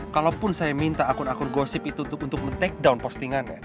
kalaupun saya minta akun akun gosip itu untuk men take down postingannya